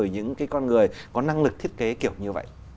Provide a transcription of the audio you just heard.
những con người có năng lực thiết kế kiểu như vậy